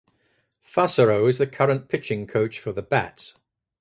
Fassero is the current pitching coach for the Bats.